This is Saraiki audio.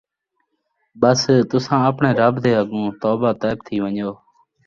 ٻس تُساں آپڑیں رَبّ دے اَڳوں توبہ تائب تھی وَن٘ڄو